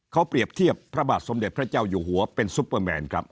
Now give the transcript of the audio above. เขาเปรียบเทียบพระบาทสมเด็จพระเจ้าอยู่หัวเป็นซุปเปอร์แมนครับ